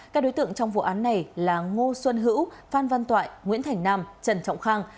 các đối tượng trong vụ án này là ngô xuân hữu phan văn toại nguyễn thành nam trần trọng khang